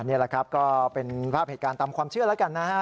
นี่แหละครับก็เป็นภาพเหตุการณ์ตามความเชื่อแล้วกันนะฮะ